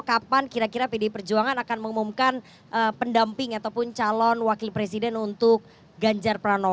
kapan kira kira pd perjuangan akan mengumumkan pendamping ataupun calon wakil presiden untuk ganjalan